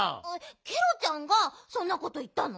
ケロちゃんがそんなこといったの？